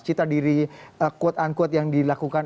cita diri quote unquote yang dilakukan